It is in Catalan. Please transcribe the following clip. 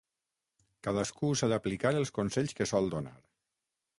Cadascú s'ha d'aplicar els consells que sol donar.